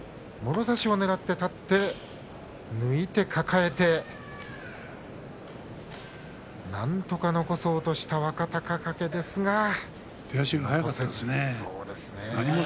もろ差しをねらっていって抜いて抱えてなんとか残そうとした若隆景ですが。